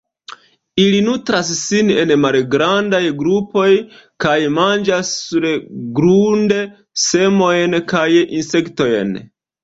Ili nutras sin en malgrandaj grupoj, kaj manĝas surgrunde semojn kaj insektojn.